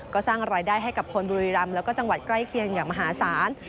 ก็สร้างรายได้ให้กับคนบุรีรำแล้วก็จังหวัดใกล้เคียงอย่างมหาศาล